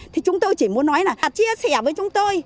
thì chúng tôi chỉ muốn nói là chia sẻ với chúng tôi